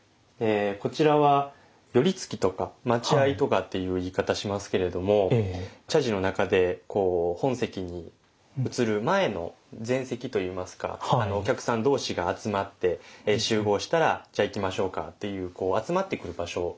こちらは「寄付」とか「待合」とかっていう言い方しますけれども茶事の中でこう本席に移る前の前席と言いますかお客さん同士が集まって集合したらじゃあ行きましょうかっていう集まってくる場所のようなイメージでよろしいかと思いますね。